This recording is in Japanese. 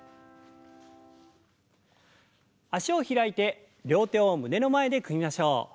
脚を開いて両手を胸の前で組みましょう。